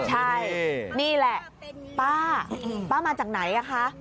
ใช่นี่แหละป้าป้ามาจากไหนอ่ะคะ